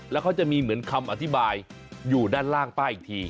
แล้วเขาจะมีเหมือนคำอธิบายอยู่ด้านล่างป้าอีกที